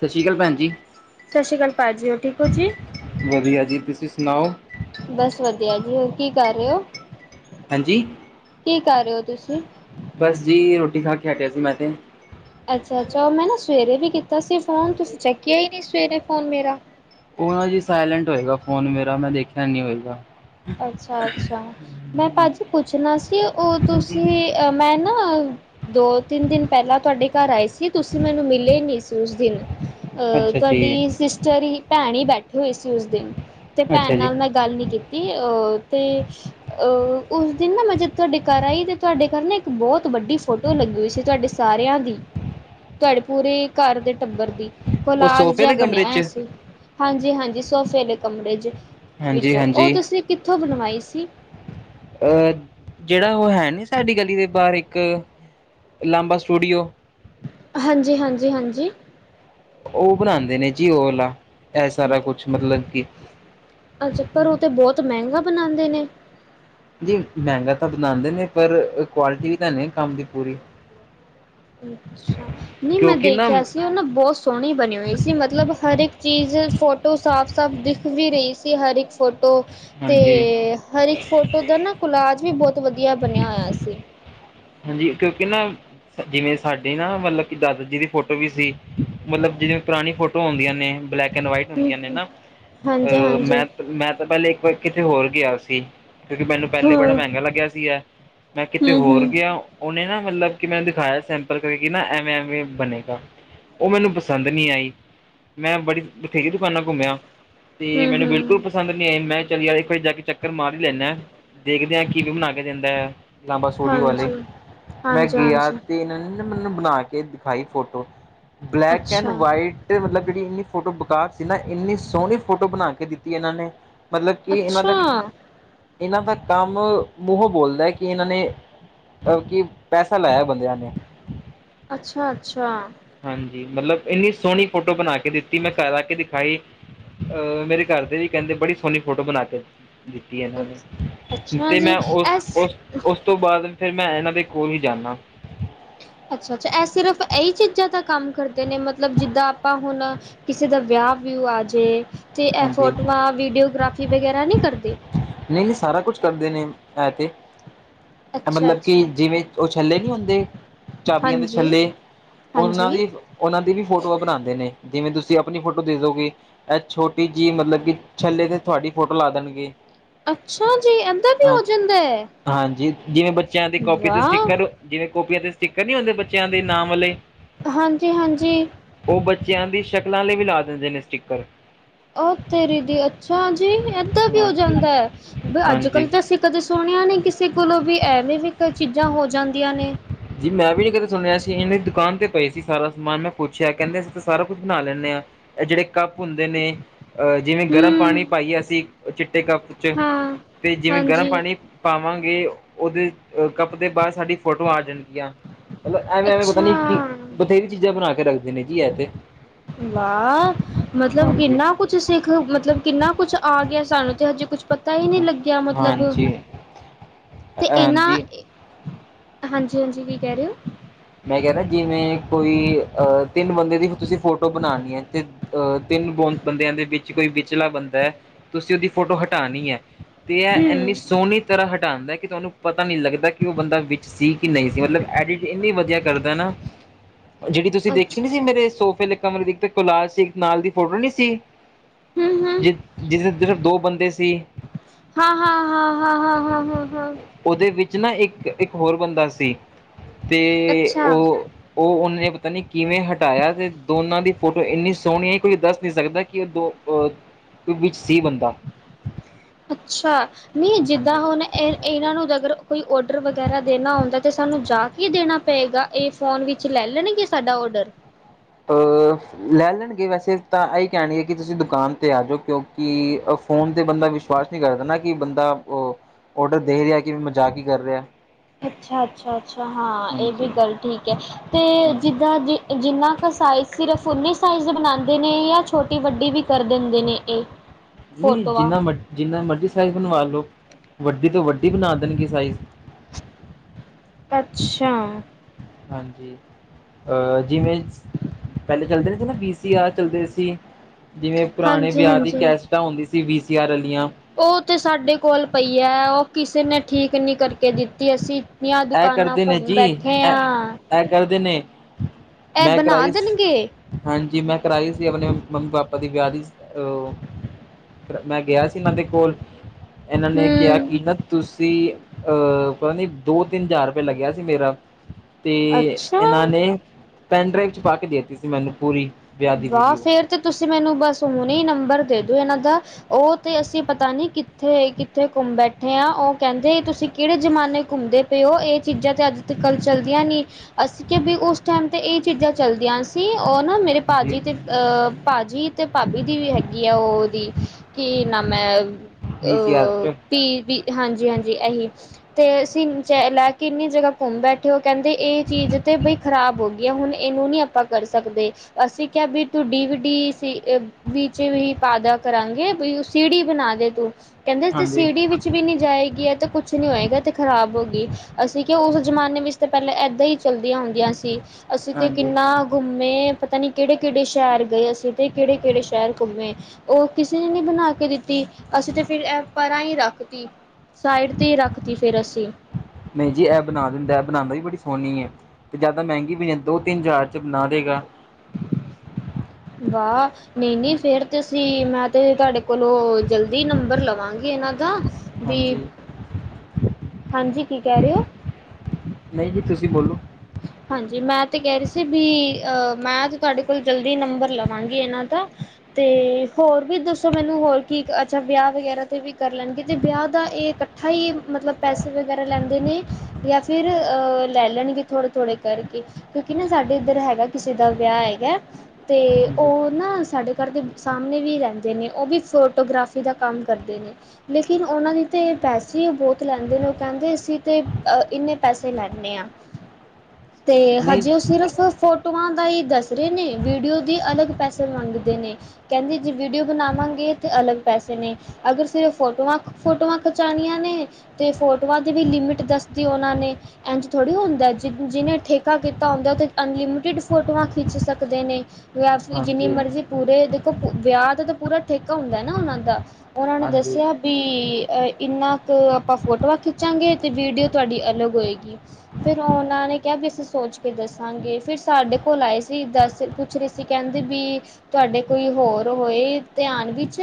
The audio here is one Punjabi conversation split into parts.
ਸਸੀ ਕਾਲ ਭੈਨ ਜੀ ਸਸੀ ਕਾਲ ਭਾਜੀ ਹੋਰ ਠੀਕ ਓ ਜੀ? ਵਦੀਆ ਜੀ, ਤੁਸੀ ਸੁਨਾਓ? ਬਸ ਵਦੀਆ ਜੀ ਹੋਰ ਕੀ ਕਾਰ ਰੇ ਓ, ਹਾਂਜੀ ਕੀ ਕਾਰ ਰੇ ਓ ਤੁਸੀ? ਬਸ ਜੀ, ਰੋਟੀ ਖਾ ਕੇ ਹਟੇਆ ਸੀ ਮੈ ਤੇ। ਅੱਛਾ, ਅੱਛਾ ਓਰ ਮੈਂ ਨਾ ਸਵੇਰੇ ਵੀ ਕੀਤਾ ਸੀ ਫ਼ਨ, ਤੁਸੀ ਚੱਕੇਆ ਈ ਨੀ ਸਵੇਰੇ ਫੋਨ ਮੇਰਾ। ਓ ਨਾ ਜੀ ਸਾਲੈਂਟ ਹੋਏਗਾ ਫ਼ੋਨ ਮੇਰਾ, ਮੈਂ ਦੇਖੇਆ ਨੀ ਹੋਏਗਾ। ਅੱਛਾ, ਅੱਛਾ ਮੈਂ ਭਾਜੀ ਪੁੱਛਨਾ ਸੀ ਓ ਹਾਂਜੀ। ਤੁਸੀ, ਮੈਂ ਨਾ ਦੋ ਤਿੰਨ ਦਿਨ ਪੈਲਾਂ ਤੁਆਡੇ ਘਾਰ ਆਏ ਸੀ, ਤੁਸੀ ਮਿਨੂੰ ਮਿਲੇ ਈ ਨਈ ਸੀ ਉਸ ਦਿਨ। ਅ, ਅੱਛਾ ਜੀ ਤੁਹਾਡੀ ਸਿਸਟਰ ਈ ਭੈਨ ਈ ਬੈਠੀ ਹੋਈ ਸੀ ਉਸ ਦਿਨ। ਤੇ ਅੱਛਾ ਭੈਨ ਜੀ ਨਾਲ ਮੈਂ ਗਾੱਲ ਨੀ ਕੀਤੀ, ਅ ਤੇ ਅ ਉਸ ਦਿਨ ਨਾ ਮੈਂ ਜਦ ਤੁਆਡੇ ਘਾਰ ਆਈ, ਤੇ ਤੁਆਡੇ ਘਾਰ ਨਾ ਇੱਕ ਬੋਤ ਵੱਡੀ ਫੋਟੋ ਲੱਗੀ ਹੋਈ ਸੀ ਤੁਆਡੇ ਸਾਰਿਆਂ ਦੀ, ਤੁਹਾਡੇ ਪੂਰੇ ਘਰ ਦੇ ਟੱਬਰ ਦੀ ਉਹ ਕੋਲਾਜ ਸੋਫੇ ਜਿਹਾ ਦੇ ਬਣਿਆ ਕਮਰੇ ਹੋਇਆ 'ਚ ਸੀ, ਹਾਂਜੀ-ਹਾਂਜੀ ਸੋਫੇ ਦੇ ਕਮਰੇ ਚ ਵਿੱਚੋਂ ਉਹ ਹਾਂਜੀ-ਹਾਂਜੀ। ਤੁਸੀਂ ਕਿੱਥੋਂ ਬਨਵਾਈ ਸੀ? ਜਿਹੜਾ ਉਹ ਹੈ ਨਹੀਂ ਸਾਡੀ ਗਲੀ ਦੇ ਬਾਹਰ ਇੱਕ, ਲਾਂਬਾ ਸਟੂਡੀਓ। ਹਾਂਜੀ, ਹਾਂਜੀ, ਹਾਂਜੀ। ਓ ਬਣਾੰਦੇ ਨੇ ਜੀ ਉਅਲਾ, ਇਹ ਸਾਰਾ ਕੁਛ ਮਤਲਬ ਕਿ ਅੱਛਾ, ਪਰ ਓ ਤਾਂ ਬੋਤ ਮੈਂਗਾ ਬਨਾਂਦੇ ਨੇ। ਜੀ ਮੈਂਗਾ ਤਾਂ ਬਨਾਂਦੇ ਨੇ ਪਰ, ਕੁਆਲਟੀ ਵੀ ਤਾਂ ਨਈ ਕੰਮ ਦੀ ਪੂਰੀ। ਅੱਛਾ ਨੀ ਮੈਂ ਕਿਉਂਕਿ ਨਾ ਦੇਖੇਆ ਸੀ। ਨੀ ਓਨਾ ਨਾ ਬੋਤ ਸੋਣੀ ਬਨੀ ਹੋਈ ਸੀ, ਮਤਲਬ ਹਰ ਇੱਕ ਚੀਜ਼ ਫੋਟੋ ਸਾਫ, ਸਾਫ਼ ਦਿਖ ਵੀ ਰਈ ਸੀ [unintelligible] ਹਰ ਇੱਕ ਫੋਟੋ। ਤੇ, ਹਾਂਜੀ ਹਰ ਇੱਕ ਫੋਟੋ ਦਾ ਨਾ ਕੁਲਾਜ ਵੀ ਬੋਤ ਵਦੀਆ ਬਨੇਆ ਹੋਏਆ ਸੀ। ਹਾਂਜੀ, ਕੇਓ ਕਿ ਨਾ ਜ ਜਿਵੇਂ ਸਾਡੀ ਨਾ ਮਤਲਬ ਕਿ ਦਾਦੂ ਜੀ ਦੀ ਫੋਟੋ ਵੀ ਸੀ, ਮਤਲਬ ਜਿਵੇਂ ਪਰਾਨੀ ਫੋਟੋਆ ਹੂੰਦੀਆਂ ਨੇ। ਬਲੈਕ ਐਂਡ ਵਾਈਟ ਹੁੰਦੀਆਂ ਨੇ ਹੂੰ-ਹੂੰ, ਨਾ, ਅ ਹਾਂਜੀ-ਹਾਂਜੀ, ਮੈਂ, ਮੈਂ ਤਾ ਪੈਲੇ ਇੱਕ ਕਿਤੇ ਹੋਰ ਗੇਆ ਸੀ, ਕੇਓ ਕੇ ਮੈਨੂੰ ਪੈਲੇ ਬੜਾ ਹਾਂ, ਮ੍ਹੈਂਗਾ ਲੱਗੇਆ ਸੀ ਐ ਮੈਂ ਕਿਤੇ ਹੋਰ ਹੂੰ-ਹੂੰ, ਗੇਆਂ, ਓਨੇ ਨਾ ਮਲਬ ਕਿ ਮੈਂਨ ਦਿਖਾਏਆ ਸੈਂਪਲ ਕਰਕੇ ਨਾ ਕੀ ਐਵੇਂ, ਐਵੇ ਬਨੇਗਾ। ਓ ਮੈਨੂੰ ਪਸੰਦ ਨਈ ਆਈ, ਮੈਂ ਬੜੀ ਬਥੇਰੀ ਦੁਕਾਨਾਂ ਘੁੰਮੇਆ ਤੇ ਮੈਨੂੰ ਬਿਲਕੁਲ ਹੂੰ-ਹੂੰ। ਪਸੰਦ ਨੀ ਆਈ, ਮੈਂ ਚੱਲ ਯਾਰ ਇੱਕ ਵਾਰੀ ਜਾ ਕੇ ਚੱਕਰ ਮਾਰ ਈ ਲੈਨੇ ਆ। ਦੇਖਦੇ ਆਂ ਕੀ-ਕੀ ਬਣਾ ਕੇ ਦਿੰਦੈ ਲਾਂਬਾ ਸਟੂਡੀਓ ਵਾਲੇ, ਹਾਂਜੀ, ਮੈਂ ਗਿਆ ਹਾਂਜੀ-ਹਾਂਜੀ, ਤੇ ਇਹਨਾਂ ਨ ਮੈਨੂੰ ਬਣਾ ਕੇ ਦਿਖਾਈ ਫੋਟੋ, ਬਲੈਕ ਐਂਡ ਅੱਛਾ, ਵਾਈਟ। ਮਤਲਬ ਇੰਨੀ ਫੋਟੋ ਬਕਾਰ ਸੀ ਨਾ, ਇੰਨੀ ਸੋਹਨੀ ਫੋਟੋ ਬਨਾ ਕੇ ਦਿੱਤੀ ਇਹਨਾਂ ਨੇ। ਮਤਲਬ ਕਿ ਇਨਾਂ ਤੱਕ। ਅੱਛਾ। ਇਹਨਾਂ ਦਾ ਕੰਮ ਮੂੰਹੋਂ ਬੋਲਦਾ ਹੈ ਕਿ ਇਹਨਾਂ ਨੇ, ਅਹ ਕਿ ਪੈਸਾ ਲਾਇਆ ਬੰਦਾ ਅੱਛਾ-ਅੱਛਾ। ਹਾਂਜੀ, ਮਤਲਬ ਇੰਨੀ ਸੋਣੀ ਫੋਟੋ ਬਨਾ ਕੇ ਦਿੱਤੀ, ਮੈਂ ਘਰ ਆ ਕੇ ਦਿਖਾਈ। ਅ--ਮੇਰੇ ਘਰ ਦੇ ਵੀ ਕਹਿੰਦੇ ਬੜੀ ਸੋਣੀ ਫੋਟੋ ਬਣਾ ਕੇ ਦਿੱਤੀ ਇਹਨਾਂ ਅੱਛਾ ਨੇ, ਅੱਛਾ ਤੇ ਜੀ ਮੈਂ ਐਸ ਉਸ-ਉਸ ਉਸ ਤੋਂ ਬਾਅਦ ਫਿਰ ਮੈਂ ਇਹਨਾਂ ਦੇ ਕੋਲ ਹੀ ਜਾਂਨਾ। ਅੱਛਾ, ਅੱਛਾ ਐ ਸਿਰਫ ਇਹੀ ਚੀਜ਼ਾਂ ਦਾ ਕੰਮ ਕਰਦੇ ਨੇ? ਮਤਲਬ ਜਿੱਦਾਂ ਆਪਾਂ ਹੁਨ ਕਿਸੇ ਦਾ ਵਿਆਹ ਵਿਊ ਆਜੇ, ਤੇ ਇਹ ਹਾਂਜੀ ਫੋਟੋਆਂ, ਵੀਡੀਓਗ੍ਰਾਫੀ ਵਗੈਰਾ ਨਹੀਂ ਕਰਦੇ? ਨਈਂ ਨਈਂ ਸਾਰਾ ਕੁਛ ਕਰਦੇ ਨੇ, ਐਂ ਤੇ। ਮਤਲਬ ਅੱਛਾ-ਅੱਛਾ ਕਿ, ਜਿਵੇਂ ਉਹ ਛੱਲੇ ਨਹੀਂ ਹੁੰਦੇ, ਚਾਬੀਆਂ ਦੇ ਛੱਲੇ। ਹਾਂਜੀ-ਹਾਂਜੀ ਉਹਨਾਂ ਦੀ, ਉਹਨਾਂ ਦੀ ਵੀ ਫੋਟੋਆਂ ਬਨਾੰਦੇ ਨੇ, ਜਿਵੇਂ ਤੁਸੀਂ ਅਪਨੀ ਫੋਟੋ ਦੇ ਦੋਗੇ। ਐ ਛੋਟੀ ਜੀ ਮਤਲਬ ਕਿ, ਛੱਲੇ ਤੇ ਤੁਹਾਡੀ ਫੋਟੋ ਲਾ ਦੇਨਗੇ। ਅੱਛਾ ਜੀ। ਵੀ ਹਾਂ, ਹੋ ਜਾਂਦਾ ਐ ਹਾਂਜੀ ਜਿਵੇਂ ਬੱਚਿਆਂ ਦੀ ਕਾਪੀ ਤੇ ਵਾਹ ਸਟਿੱਕਰ ਜਿਵੇਂ ਕੋਪੀਂਆਂ ਤੇ ਸਟਿਕਰ ਨੀ ਹੁੰਦੇ, ਬੱਚਿਆਂ ਦੇ ਨਾਮ ਵਾਲੇ। ਹਾਂਜੀ, ਹਾਂਜੀ। ਉਹ ਬੱਚਿਆਂ ਦੀ ਸ਼ਕਲਾਂ ਲਈ ਵੀ ਲਾ ਦਿੰਦੇ ਨੇ ਸਟਿੱਕਰ। ਉਹ ਤੇਰੀ ਦੀ, ਅੱਛਾ ਜੀ ਏਦਾਂ ਵੀ ਹਾਂ ਹੋ ਜਾਂਦੈ, ਅੱਜ ਕੱਲ ਹਾਂਜੀ ਤਾਂ ਅਸ ਕਦੇ ਸੁਣਿਆ ਨਹੀਂ ਕਿਸੇ ਕੋਲੋਂ ਵੀ, ਐਵੇਂ ਵੀ ਕੋਈ ਚੀਜ਼ਾਂ ਹੋ ਜਾਂਦੀਆਂ ਨੇ। ਜੀ ਮੈਂ ਵੀ ਕਦੇ ਸੁਣਿਆ ਸੀ, ਇਹਨਾਂ ਦੀ ਦੁਕਾਨ ਤੇ ਪਏ ਸੀ ਸਾਰਾ ਸਮਾਨ ਮੈਂ ਪੁੱਛਿਆ, ਕਹਿੰਦੇ ਅਸੀਂ ਤਾਂ ਸਾਰਾ ਕੁਛ ਬਨਾ ਲੈਂਨੇ ਆਂ। ਇਹ ਜਿਹੜੇ ਕੱਪ ਹੁੰਦੇ ਨੇ। ਅਹ, ਜਿਵੇਂ ਗਰਮ ਪਾਣੀ ਹੂੰ ਪਾਈਏ ਅਸੀਂ ਚਿੱਟੇ ਕੱਪ 'ਚ', ਹਾਂ ਤੇ ਜਿਵੇਂ ਗਰਮ ਹਾਂਜੀ ਪਾਣੀ ਪਾਵਾਂਗੇ ਉਹਦੇ ਅ ਕੱਪਦੇ ਬਾਅਰ ਸਾਡੀ ਫੋਟੋ ਆ ਜਾਣਗੀਆਂ। ਮਤਲਬ ਐਵੇਂ ਐਵੇਂ ਪਤਾ ਨੀ ਕਿ, ਅੱਛਾ ਬਥੇਰੀ ਚੀਜ਼ਾਂ ਬਨਾ ਕੇ ਰੱਖਦੇ ਨੇ ਜੀ ਇਹ ਤੇ। ਵਾ, ਮਤਲਬ ਹਾਂਜੀ ਕਿੰਨਾ ਕੁੱਛ ਸਿੱਖ, ਮਤਲਬ ਕਿੰਨਾ ਕੁੱਛ ਆ ਗਿਆ, ਸਾਨੂੰ ਤੇ ਹਜੇ ਕੁੱਛ ਪਤਾ ਪਤਾ ਹੀ ਨਹੀਂ ਲੱਗਿਆ ਮਤਲਬ, ਹਾਂਜੀ ਤੇ ਇਹਨਾਂ ਹਾਂਜੀ ਹਾਂਜੀ ਹਾਂਜੀ ਕੀ ਕਹਿ ਰਹੇ ਹੋ? ਮੈਂ ਕਹਿ ਰਿਹਾ ਹੈ। ਜਿਵੇਂ ਕੋਈ ਅਹ ਤਿੰਨ ਬੰਦੇ ਦੀ ਤੁਸੀਂ ਫੋਟੋ ਬਣਾਉਣੀ ਹੈ ਤੇ। ਅਹ ਤਿੰਨ ਬੋ ਬੰਦਿਆਂ ਦੇ ਵਿੱਚ ਕੋਈ ਵਿਚਲਾ ਬੰਦਾ ਹੈ। ਤੁਸੀਂ ਉਹਦੀ ਫੋਟੋ ਹਟਾਣੀ ਹੈ। ਤੇ ਇਹ ਹਮ ਇੰਨੀ ਸੋਹਣੀ ਤਰ੍ਹਾਂ ਹਟਾਉਂਦਾ ਹੈ। ਕਿ ਤੁਹਾਨੂੰ ਪਤਾ ਨੀ ਲੱਗਦਾ। ਪਤਾ ਕਿ ਉਹ ਬੰਦਾ ਵਿੱਚ ਸੀ ਕਿ ਨਹੀਂ ਸੀ ਮਤਲਬ ਐਡਿਟ ਇੰਨੀ ਵਧੀਆ ਕਰਦਾ ਨਾ। ਜਿਹੜੀ ਤੁਸੀਂ ਦੇਖੀ ਅੱਛਾ ਨੀ ਸੀ ਮੇਰੇ ਸੋਫੇ ਦੇ ਕਮਰੇ ਦੀ ਕੋਲਾਸ਼ ਸੀ ਨਾਲ ਦੀ ਫੋਟੋ ਨੀ ਸੀ। ਹਮ ਹਮ ਜਿਸ, ਜਿਸਦੇ ਸਿਰਫ਼ ਦੋ ਬੰਦੇ ਸੀ ਹਾਂ, ਹਾਂ, ਹਾਂ, ਹਾਂ, ਹਾਂ, ਹਾਂ, ਹਾਂ। ਉਹਦੇ ਵਿੱਚ ਨਾ ਇੱਕ-ਇੱਕ ਹੋਰ ਬੰਦਾ ਸੀ, ਤੇ ਅੱਛਾ ਉਹ। ਉਹ ਉਹਨੇ ਪਤਾ ਨੀ ਕਿਵੇਂ ਹਟਾਇਆ ਤੇ, ਦੋਨਾਂ ਦੀ ਫੋਟੋ ਇੰਨੀ ਸੋਣੀ ਏ ਕੋਈ ਦੱਸ ਨਹੀਂ ਸਕਦਾ ਕਿ, ਉਹ ਦੋ ਕੋਈ ਵਿੱਚ ਸੀ, ਬੰਦਾ ਅੱਛਾ, ਨੀਂ ਜਿੱਦਾਂ ਹਾਂਜੀ। ਹੁਣ ਇਹ, ਇਹਨਾਂ ਨੂੰ ਜ ਅਗਰ ਕੋਈ ਔਡਰ ਵਗੈਰਾ ਦੇਨਾ ਆਉਂਦਾ, ਤੇ ਸਾਨੂੰ ਜਾ ਕੇ ਈ ਦੇਨਾ ਪਏਗਾ? ਇਹ ਫੋਨ ਵਿੱਚ ਲੈ ਲੈਣਗੇ ਸਾਡਾ ਔਡਰ? ਲੈ ਲੈਣਗੇ ਵੈਸੇ ਤਾਂ ਇਹੀ ਕਹਿਣ ਹੈ ਕਿ, ਤੁਸੀਂ ਦੁਕਾਨ ਤੇ ਆਜੋ ਕਿਉਂਕਿ ਫੋਨ ਤੇ ਬੰਦਾ ਵਿਸ਼ਵਾਸ ਨਹੀਂ ਕਰਦਾ ਨਾ ਕਿ, ਬੰਦਾ ਔਡਰ ਦੇ ਰਿਹਾ ਕਿ, ਮਜਾਕ ਈ ਕਰ ਰਿਆ। ਅੱਛਾ-ਅੱਛਾ, ਅੱਛਾ ਹਾਂ, ਇਹ ਵੀ ਹਾਂਜੀ ਗੱਲ ਠੀਕ ਏ, ਤੇ ਹਾਂ। ਜਿੱਦਾਂ ਜੇ ਜਿੰਨਾ ਕੁ ਸਾਈਜ਼ ਸਿਰਫ ਓਨੀ ਸਾਈਜ਼ ਦੇ ਬਨਾਂਦੇ ਨੇ, ਯਾ ਛੋਟੀ ਵੱਡੀ ਵੀ ਕਰ ਦਿੰਦੇ ਨੇ ਏ? ਨਹੀਂ ਜਿੰਨਾ ਮਰ ਜਿੰਨਾ ਮਰਜ਼ੀ ਸਾਈਜ਼ ਬਣਵਾ ਲੋ ਵੱਡੀ ਤੋਂ, ਵੱਡੀ ਬਣਾ ਦੇਣਗੇ ਸਾਈਜ਼ ਅੱਛਾ ਹਾਂਜੀ, ਅਹ ਜਿਵੇਂ, ਪਹਿਲੇ ਚੱਲਦੇ ਸੀ ਨਾ ਬੀਸ ਸੀ ਆਹ ਚੱਲਦੇ ਸੀ ਜਿਵੇਂ ਪੁਰਾਣੇ ਹਾਂਜੀ ਵਿਆਹ ਦੀ ਹਾਂਜੀ ਕੈਸਟਾਂ ਹੁੰਦੀ ਸੀ ਬ ਸੀ ਆਰ ਵਾਲੀਆਂ ਉਹ ਤੇ ਸਾਡੇ ਕੋਲ ਪਈ ਹੈ ਉਹ ਕਿਸੇ ਨੇ ਠੀਕ ਨਹੀਂ ਕਰਕੇ ਦਿੱਤੀ ਅਸੀਂ ਇੰਨੀਆਂ ਇਹ ਦੁਕਾਨਾਂ ਕਰਦੇ ਨੇ ਘੁੰਮ ਜੀ ਬੈਠੇ ਇਹ ਆ। ਇਹ ਕਰਦੇ ਨੇ ਇਹ ਮੈਂ ਬਣਾ ਕਰਾਈ ਦੇਣਗੇ। ਹਾਂਜੀ ਮੈਂ ਕਰਾਈ ਸੀ ਆਪਣੇ ਮੰਮੀ ਪਾਪਾ ਦੀ ਵਿਆਹ ਦੀ ਅਹ। ਮੈਂ ਗਿਆ ਸੀ ਇਹਨਾਂ ਦੇ ਕੋਲ। ਇਹਨਾਂ ਨੇ ਕਿਹਾ ਹਮ ਕਿ ਨਾ ਤੁਸੀਂ ਅਹ ਪਤਾ ਨੀ ਦੋ। ਤਿੰਨ ਹਜ਼ਾਰ ਰੁਪਇਆ ਲੱਗਿਆ ਸੀ। ਮੇਰਾ ਤੇ ਅੱਛਾ ਇਹਨਾਂ ਨੇ। ਪੈਨ ਡਰਾਈਵ 'ਚ ਪਾ ਕੇ ਦੇ ਤੀ ਸੀ ਮੈਨੂੰ ਪੂਰੀ। ਵਿਆਹ ਦੀ ਵਾਹ ਵੀਡੀਓ ਫਿਰ ਤੇ ਤੁਸੀਂ ਮੈਨੂੰ ਬਸ ਹੁਣੇ ਹੀ ਨੰਬਰ ਦੇ ਦੋ ਇਹਨਾਂ ਦਾ ਉਹ ਤੇ ਅਸੀਂ ਪਤਾ ਨੀ ਕਿੱਥੇ-ਕਿੱਥੇ ਘੁੰਮ ਬੈਠੇ ਹਾਂ ਉਹ ਕਹਿੰਦੇ ਤੁਸੀਂ ਕਿਹੜੇ ਜ਼ਮਾਨੇ ਘੁੰਮਦੇ ਤੇ ਓ ਇਹ ਚੀਜ਼ਾਂ ਤਾਂ ਅੱਜ ਤ ਕੱਲ ਚੱਲਦੀਆਂ ਨਹੀਂ ਅਸੀਂ ਕਿ ਵੀ ਉਸ ਟਾਈਮ ਤੇ ਇਹ ਚੀਜ਼ਾਂ ਚੱਲਦੀਆਂ ਸੀ ਉਹ ਨਾ ਮੇ ਹਾਂਜੀ ਭਾਜੀ ਤੇ ਅਹ, ਭਾਜੀ ਤੇ ਭਾਬੀ ਦੀ ਵੀ ਹੈਗੀ ਆ ਉਹਦੀ ਕਿ ਨ ਮੈਂ ਬੀ ਸੀ ਆਰ ਚ ਅ ਵੀ ਹਾਂਜੀ-ਹਾਂਜੀ ਇਹੀ ਤੇ ਅਸੀਂ ਚ ਲੈ ਕੇ ਇੰਨੀ ਜਗ੍ਹਾ ਘੁੰਮ ਬੈਠੇ ਤੇ ਉਹ ਕਹਿੰਦੇ ਇਹ ਚੀਜ਼ ਤੇ ਬਈ ਖ਼ਰਾਬ ਹੋ ਗਈ ਆ ਹੁਣ ਇਹਨੂੰ ਨੀ ਆਪਾਂ ਕਰ ਸਕਦੇ ਅਸੀਂ ਕਿਹਾ ਵੀ ਤੂੰ ਡੀ ਵੀ ਡੀ ਸੀ ਵਿੱਚ ਹੀ ਪਦਾ ਕਰਾਂਗੇ ਬ ਸਿੜੀ ਬਣਾ ਦੇ ਤੂੰ ਕਹਿੰਦੇ ਤੇ ਹਾਂਜੀ ਸੀੜੀ ਵਿੱਚ ਵੀ ਨੀ ਜਾਏਗੀ ਹੈ ਤੇ ਕੁਛ ਨੀ ਹੋਏਗਾ ਤੇ ਖ਼ਰਾਬ ਹੋ ਗਈ ਅਸੀਂ ਕਿਹਾ ਉਸ ਜ਼ਮਾਨੇ ਵਿੱਚ ਤਾਂ ਪਹਿਲਾਂ ਏਦਾਂ ਹੀ ਚੱਲਦੀਆਂ ਹੁੰਦੀਆਂ ਸੀ ਅਸੀ ਤਾਂ ਹਾਂਜੀ ਕਿੰਨਾ ਘੁੰਮੇ ਪਤਾ ਨੀ ਕਿਹੜੇ-ਕਿਹੜੇ ਸ਼ਹਿਰ ਗਏ ਅਸੀਂ, ਤੇ ਕਿਹੜੇ-ਕਿਹੜੇ ਸ਼ਹਿਰ ਘੁੰਮੇ ਉਹ ਕਿਸੇ ਨੇ ਨਹੀਂ ਬਣਾ ਕੇ ਦਿੱਤੀ ਅਸੀਂ ਤੇ ਫਿਰ ਇਹ ਪਰਾਂ ਹੀ ਰੱਖਤੀ ਸਾਈਡ ਤੇ ਰੱਖਦੀ ਫਿਰ ਅਸੀਂ ਨਹੀਂ ਜੀ ਇਹ ਬਣਾ ਦਿੰਦਾ ਇਹ ਬਣਾਉਦਾ ਵੀ ਬੜੀ ਸੋਹਣੀ ਹੈ ਤੇ ਜਿਆਦਾ ਮਹਿੰਗੀ ਵੀ ਦੋ-ਤਿੰਨ ਹਜ਼ਾਰ ਚ ਬਣਾ ਦੇਗਾ ਵਾਹ ਨਹੀਂ-ਨਹੀਂ ਫਿਰ ਤੇ ਅਸੀਂ ਮੈਂ ਤੇ ਤੁਹਾਡੇ ਕੋਲੋਂ ਜਲਦੀ ਨੰਬਰ ਲਵਾਂਗੇ ਇਹਨਾਂ ਦਾ ਵੀ ਹਾਂਜੀ ਹਾਂਜੀ ਕੀ ਕਹਿ ਰਹੇ ਹੋ ਨਹੀਂ ਜੀ ਤੁਸੀਂ ਬੋਲੋ ਹਾਂਜੀ ਮੈਂ ਤੇ ਕਹਿ ਰਹੀ ਸੀ ਵੀ ਅਹ ਮੈਂ ਤਾਂ ਤੁਹਾਡੇ ਕੋਲ ਜਲਦੀ ਨੰਬਰ ਲਵਾਂਗੀ ਇਹਨਾਂ ਦਾ ਤੇ ਹੋਰ ਵੀ ਦੱਸੋ ਮੈਨੂੰ ਹੋਰ ਕੀ ਅੱਛਾ ਵਿਆਹ ਵਗੈਰਾ ਤੇ ਵੀ ਕਰ ਲੈਣਗੇ ਤੇ ਵਿਆਹ ਦਾ ਇਹ ਹੀ ਮਤਲਬ ਪੈਸੇ ਵਗੈਰਾ ਲੈਂਦੇ ਨੇ ਜਾਂ ਫਿਰ ਅਹ ਲੈ ਲੈਣਗੇ ਥੋੜੇ ਤੋੜੇ ਕਰਕੇ ਕਿਉਂਕਿ ਨਾ ਸਾਡੇ ਇੱਧਰ ਹੈਗਾ ਕਿਸੇ ਦਾ ਵਿਆਹ ਹੈਗਾ ਤੇ ਹਾਂਜੀ ਉਹ ਨਾ ਸਾਡੇ ਘਰ ਦੇ ਸਾਹਮਣੇ ਵੀ ਰਹਿੰਦੇ ਨੇ ਉਹ ਵੀ ਫੋਟੋਗ੍ਰਾਫੀ ਦਾ ਕੰਮ ਕਰਦੇ ਨੇ ਲੇਕਿਨ ਉਹਨਾਂ ਦੀ ਤਾਂ ਇਹ ਪੈਸੇ ਆ ਬਹੁਤ ਲੈਂਦੇ ਨੇ ਉਹ ਕਹਿੰਦੇ ਅਸੀਂ ਤਾਂ ਇੰਨੇ ਪੈਸੇ ਲੈਂਦੇ ਹਾਂ ਤੇ ਨਹੀਂ ਹਜੇ ਉਹ ਸਿਰਫ ਫੋ ਫੋਟੋਆਂ ਦਾ ਹੀ ਦੱਸ ਰਹੇ ਨੇ ਵੀਡੀਓ ਦੀ ਅਲੱਗ ਪੈਸੇ ਮੰਗਦੇ ਨੇ ਕਹਿੰਦੇ ਨੇ ਜੇ ਵੀਡੀਓ ਬਣਾਵਾਂਗੇ ਤੇ ਅਲੱਗ ਪੈਸੇ ਨੇ ਅਗਰ ਸਿਰ ਫੋਟੋਆਂ ਫੋਟੋਆਂ ਖਚਾਣੀਆਂ ਨੇ ਤੇ ਫੋਟੋਆਂ ਦੀ ਵੀ ਲਿਮਿਟ ਦੱਸਦੀ ਉਹਨਾਂ ਨੇ ਇੰਝ ਥੋੜੀ ਹੁੰਦਾ ਜੇ ਜਿਹਨੇ ਠੇਕਾ ਕੀਤਾ ਹੁੰਦਾ ਉਥੇ ਅਨਲੀਮੈਟਿਡ ਫੋਟੋਆਂ ਖਿੱਚ ਸਕਦੇ ਨੇ ਜਿੰਨੀ ਹਾਂਜੀ ਮਰਜ਼ ਪੂਰੇ ਦੇਖੋ ਵਿਆਹ ਦਾ ਤਾਂ ਪੂਰਾ ਠੇਕਾ ਹੁੰਦਾ ਨਾ ਉਹਨਾਂ ਦਾ ਉਹਨਾਂ ਨੇ ਹਾਂਜੀ ਦੱਸਿਆ ਵੀ ਇੰਨਾ ਕੁ ਆਪਾਂ ਫੋਟੋਆਂ ਖਿੱਚਾਂਗੇ ਅਤੇ ਵੀਡੀਓ ਤੁਹਾਡੀ ਅਲੱਗ ਹੋਏਗੀ ਫਿਰ ਹੋਨ ਉਹ ਨੇ ਕਿਹਾ ਵੀ ਅਸੀਂ ਸੋਚ ਕੇ ਦੱਸਾਂਗੇ ਫਿਰ ਸਾਡੇ ਕੋਲ ਆਏ ਸੀ ਦੱਸ ਪੁੱਛ ਰਹੀ ਸੀ ਕਹਿੰਦੇ ਵੀ ਤੁਹਾਡੇ ਕੋਈ ਹੋਰ ਹੋਏ ਧਿਆਨ ਵਿੱਚ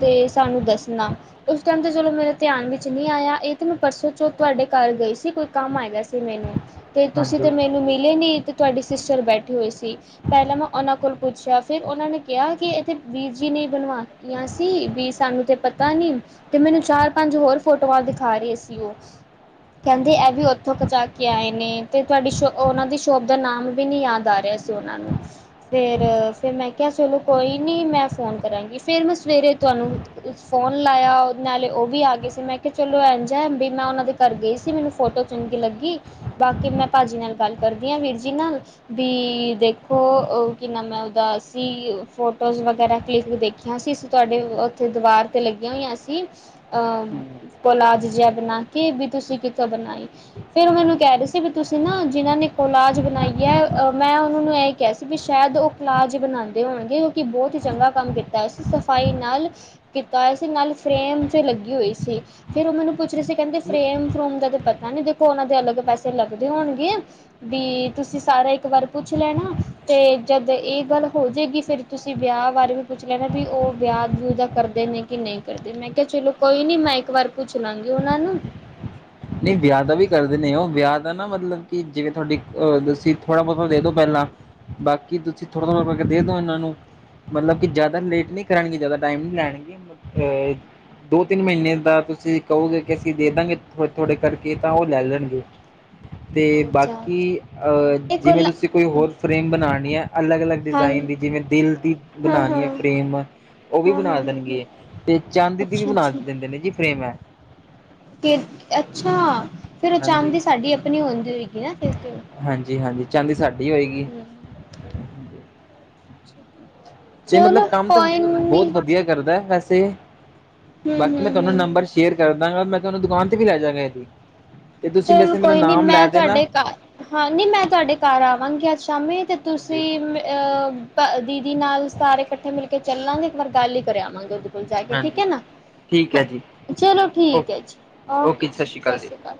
ਤੇ ਸਾਨੂੰ ਦੱਸਣਾ ਉਸ ਟਾਈਮ ਤੇ ਚਲੋ ਮੇਰਾ ਧਿਆਨ ਵਿੱਚ ਨਹੀਂ ਆਇਆ ਇਹ ਤੇ ਮੈਂ ਪਰਸੋਂ ਚੋਂ ਤੁਹਾਡੇ ਘਰ ਗਈ ਸੀ ਕੰਮ ਆਇਆ ਸੀ ਮੈਨੂੰ, ਤੇ ਤੁਸੀਂ ਤਾਂ ਹਾਂਜੀ ਮੈਨੂੰ ਮਿਲੇ ਨਹੀਂ ਅਤੇ ਤੁਹਾਡੀ ਸਿਸਟਰ ਬੈਠੇ ਹੋਏ ਸੀ ਪਹਿਲਾਂ ਮੈਂ ਉਹਨਾਂ ਕੋਲ ਪੁੱਛਿਆ ਫਿਰ ਉਹ ਨੇ ਕਿਹਾ ਕਿ ਇੱਥੇ ਬੀਜ ਜੀ ਨਹੀਂ ਬਣਵਾ ਸੀ ਵੀ ਸਾਨੂੰ ਤੇ ਪਤਾ ਨੀ ਤੇ ਮੈਨੂੰ ਚਾਰ-ਪੰਜ ਹੋਰ ਫੋਟੋਆਂ ਦਿਖਾ ਰਹੇ ਸੀ ਉਹ ਕਹਿੰਦੇ ਇਹ ਵੀ ਉਥੋਂ ਪੂੰਚਾ ਕੇ ਆਏ ਨੇ ਤੇ ਤੁਹਾਡੀ ਸ਼ੋ ਉਹਨਾਂ ਦੀ ਸ਼ੋਪ ਦਾ ਨਾਮ ਵੀ ਨੀ ਯਾਦ ਆ ਰਿਹਾ ਸੀ ਉਹਨਾਂ ਨੂੰ ਫਿਰ-ਫਿਰ ਮੈਂ ਕਿਹਾ ਚਲੋ ਕੋਈ ਨਹੀਂ ਮੈਂ ਫ਼ੋਨ ਕਰਾਂਗੀ ਫਿਰ ਮੈਂ ਸਵੇਰੇ ਤੁਹਾਨੂੰ ਫੋਨ ਲਾਇਆ ਉਹ ਨਾਲੇ ਉਹ ਵੀ ਆ ਗਏ ਸੀ ਮੈਂ ਕਿਹਾ ਚਲੋ ਐਝ ਵੀ ਮੈਂ ਉਹਨਾ ਦੇ ਘਰ ਗਈ ਸੀ ਮੈਨੂੰ ਫੋਟੋ ਚੁਣ ਕੇ ਲੱਗੀ ਬਾਕੀ ਮੈਂ ਭਾਅ ਜੀ ਨਾਲ ਗੱਲ ਕਰਦੀ ਹਾਂ ਵੀਰ ਜੀ ਨਾਲ ਵੀ ਦੇਖੋ ਉਹ ਕਿਨਾ ਮੈਂ ਉਹਦਾ ਫੋਟੋਜ਼ ਵਗੈਰਾ ਕਲਿੱਕ ਦੇਖ ਕਿਹਾ ਅਸੀਂ-ਅਸੀਂ ਤੁਹਾਡੇ ਉੱਥੇ ਦੀਵਾਰ ਤੇ ਲੱਗੇ ਹੋ ਜਾਂ ਅਸੀਂ ਅਹ ਕੋਲਾਜ ਜਿਹਾ ਬਣਾ ਕੇ ਵੀ ਤੁਸੀਂ ਕਿੱਥੋਂ ਬਣਾਈ ਫੇਰ ਮੈਨੂੰ ਕਹਿ ਰਹੇ ਸੀ ਵੀ ਤੁਸੀਂ ਨਾ ਜਿਹਨਾਂ ਨੇ ਕੋਲਾਜ ਬਣਾਈ ਹੈ ਮੈਂ ਉਹਨਾਂ ਨੂੰ ਇਹ ਕਿਹਾ ਸੀ ਵੀ ਸ਼ਾਇਦ ਉਹ ਇਲਾਜ ਬਣਾਉਂਦੇ ਹੋਣਗੇ ਜੋ ਕਿ ਬਹੁਤ ਹੀ ਚੰਗਾ ਕੰਮ ਕੀਤਾ ਉਸ ਸਫਾਈ ਨਾਲ਼ ਕੀਤਾ ਹੋਇਆ ਸੀ ਨਾਲੇ ਫਰੇਮ 'ਤੇ ਲੱਗੀ ਹੋਈ ਸੀ ਫੇਰ ਉਹ ਮੈਨੂੰ ਪੁੱਛ ਰਹੇ ਸੀ ਕਹਿੰਦੇ ਹੂੰ ਫਰੇਮ ਫਰੂਮ ਦਾ ਤੇ ਪਤਾ ਨੀ ਦੇਖੋ ਉਹਨਾਂ ਦੇ ਅਲੱਗ ਪੈਸੇ ਲੱਗਦੇ ਹੋਣਗੇ ਵੀ ਤੁਸੀਂ ਸਾਰਾ ਇੱਕ ਵਾਰ ਪੁੱਛ ਲੈਣਾ ਤੇ ਜਦ ਇਹ ਗੱਲ ਹੋ ਜਾਏਗੀ ਫਿਰ ਤੁਸੀਂ ਵਿਆਹ ਬਾਰੇ ਵੀ ਪੁੱਛ ਲੈਣਾ ਵੀ ਉਹ ਵਿਆਹ ਵਿੂ ਕਰਦੇ ਨੇ ਕੀ ਨਹੀਂ ਕਰਦੇ ਮੈਂ ਕਿਹਾ ਚਲੋ ਕੋਈ ਨੀ ਮੈਂ ਇੱਕ ਵਾਰ ਪੁੱਛ ਲਾਂਗੀ ਉਹਨਾਂ ਨੂੰ ਨਹੀਂ ਵਿਆਹ ਦਾ ਵੀ ਕਰਦੇ ਨੇ ਉਹ ਵਿਆਹ ਦਾ ਨਾ ਮਤਲਬ ਕਿ ਜਿਵੇਂ ਤੁਹਾਡੀ ਅਹ ਤੁਸੀਂ ਥੋੜ੍ਹਾ ਬਹੁਤਾ ਦੇ ਦੋ ਪਹਿਲਾਂ ਬਾਕੀ ਤੁਸੀਂ ਥੋੜ੍ਹਾ- ਥੋੜ੍ਹਾ ਕਰਕੇ ਦੇ ਦੋ ਇਹਨਾਂ ਨੂੰ ਮਤਲਬ ਕਿ ਜ਼ਿਆਦਾ ਲੇਟ ਨੀ ਕਰਨਗੇ ਜਿਆਦਾ ਟਾਈਮ ਨੀ ਲੈਣਗੇ ਅਹ ਦੋ ਤਿੰਨ ਮਹੀਨੇ ਦਾ ਤੁਸੀਂ ਕਹੋਗੇ ਕਿ ਅਸੀਂ ਦੇ ਦਾਂਗੇ ਥੋੜੇ -ਥੋੜੇ ਕਰਕੇ ਤਾਂ ਉਹ ਲੈ ਲੈਣਗੇ ਤੇ ਅੱਛਾ ਬਾਕੀ ਅਹ ਇਹ ਜਿਵੇਂ ਗੁਰਲਾ ਤੁਸੀਂ ਕੋਈ ਹੋਰ ਫਰੇਮ ਬਣਾਉਣੀ ਹੈ ਅਲੱਗ -ਅਲੱਗ ਹਾਂ ਡਿਜ਼ਾਇਨ ਦੀ ਜਿਵੇਂ ਦਿਲ ਦੀ ਹਾਂ ਬਣਾਉਣੀ ਹਾਂ ਹੈ ਫਰੇਮ ਉਹ ਵੀ ਹਾਂ ਬਣਾ ਹਾਂ ਦੇਣਗੇ ਤੇ ਚਾਂਦੀ ਦੀ ਵੀ ਅੱਛਾ ਬਣਾ ਅੱਛਾ ਦਿੰਦੇ ਨੇ ਜੀ ਫਰੇਮ ਹੈ ਅੱਛਾ ਫਿਰ ਉਹ ਹਾਂਜੀ ਚਾਂਦੀ ਸਾਡੀ ਆਪਣੀ ਹੁੰਦੀ ਹੋਏਗੀ ਨਾ ਫ ਹਾਂਜੀ -ਹਾਂਜੀ ਚਾਂਦੀ ਸਾਡੀ ਹੋਈ [inaudible] ਤੇ ਮਤਲਬ ਚਲੋ ਕੰਮ ਤਾਂ ਕੋਈ ਨੀ ਬਹੁਤ ਵਧੀਆ ਕਰਦਾ ਵੈਸੇ ਹੂੰ ਬਾਕੀ ਹੂੰ ਮੈਂ ਤੁਹਾਨੂੰ ਹੂੰ ਨੰਬਰ ਸ਼ੇਅਰ ਕਰਦਾਂ ਗਾ ਮੈਂ ਤੁਹਾਨੂੰ ਦੁਕਾਨ ਤੇ ਵੀ ਲੈ ਜਾਗਾ ਇਹੀ ਚਲ ਕੋਈ ਨੀ ਮੈਂ ਦੇਣਾ ਤੁਹਾਡੇ ਘਰ ਹਾਂ ਨਹੀਂ ਮੈਂ ਤੁਹਾਡੇ ਘਰ ਆਵਾਂਗੀ ਅੱਜ ਸ਼ਾਮੀ ਤੇ ਤੁਸੀਂ ਹਾਂਜੀ ਅਹ ਦੀਦੀ ਨਾਲ ਸਾਰੇ ਇਕੱਠੇ ਮਿਲ ਕੇ ਚੱਲਾਂਗੇ ਇੱਕ ਵਾਰ ਗੱਲ ਹੀ ਕਰਿਆਵਾਂਗੇ ਲ ਜਾ ਕੇ ਠੀਕ ਹਾਂਜੀ ਹੈ ਨਾ ਠੀਕ ਹੈ ਜੀ ਚਲੋ ਓ ਠੀਕ ਹੈ ਜੀ ਓਕੇ ਜੀ ਸਤਿ ਸ੍ਰੀ ਅਕਾਲ